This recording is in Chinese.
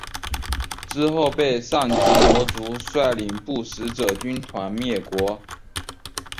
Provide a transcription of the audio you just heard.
之后被上级魔族率领不死者军团灭国。